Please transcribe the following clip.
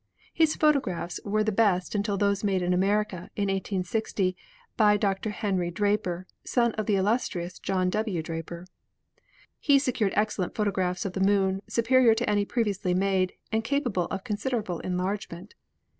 His photographs were the best until those made in America, in i860, by Dr. Henry Draper, son of the illustrious John W. Draper. He secured excellent photographs of the Moon, superior to any previously made, and capable of considerable enlargement.